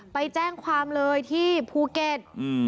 ไปแจ้งความเลยที่ภูเก็ต